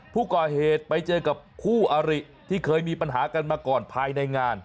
ผู้ก่อเหตุไปเจอกับคู่อริที่เคยมีปัญหากันมาก่อนภายในงาน